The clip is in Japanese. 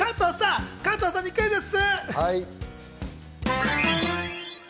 加藤さんにクイズッス！